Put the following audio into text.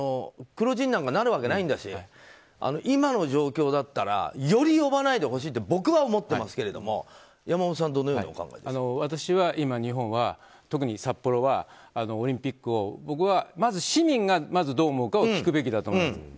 黒字になんかなるわけないんだし今の状況だったらより呼ばないでほしいって僕は思ってますけど山本さんは私は今、日本は特に札幌はオリンピックをまず市民がどう思うかを聞くべきだと思います。